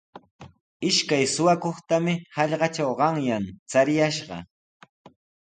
Ishkay suqakuqtami hallaqatraw qanyan chariyashqa.